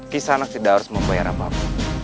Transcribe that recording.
kisah anak tidak harus membayar apa apa